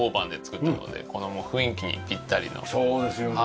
そうですよね。